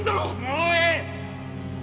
もうええ！